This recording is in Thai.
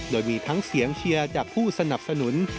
โดยมีทั้งเสียงเชียร์จากผู้สนับสนุน